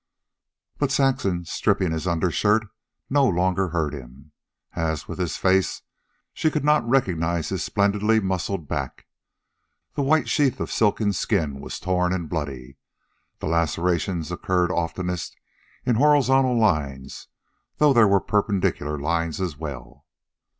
But Saxon, stripping his undershirt, no longer heard him. As with his face, she could not recognize his splendidly muscled back. The white sheath of silken skin was torn and bloody. The lacerations occurred oftenest in horizontal lines, though there were perpendicular lines as well.